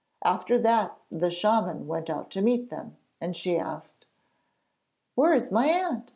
After that the shaman went out to meet them, and she asked: 'Where is my aunt?